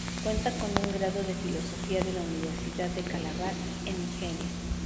Cuenta con un grado en filosofía de la Universidad de Calabar en Nigeria.